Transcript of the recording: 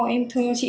em thương chị